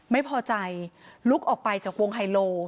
ไม่พอใจลุกออกไปจากวงไฮโล